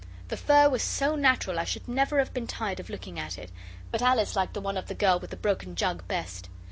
The fur was so natural I should never have been tired of looking at it; but Alice liked the one of the girl with the broken jug best.